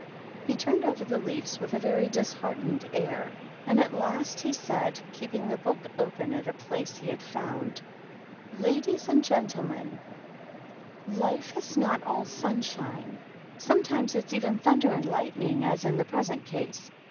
He turned over the leav with a very disheartened air, and at last ] said, keeping the book open at a place he hi found, — "Ladies and Gentlemen, — Life is not all su shine. Sometimes it is even thunder and ligl: ning, as in the present case.